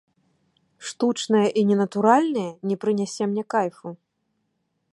Штучнае і ненатуральнае не прынясе мне кайфу.